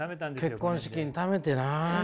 結婚資金ためてな。